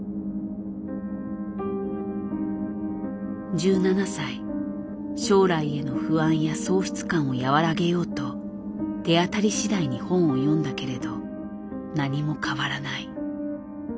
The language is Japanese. １７歳将来への不安や喪失感を和らげようと手当たりしだいに本を読んだけれど何も変わらない。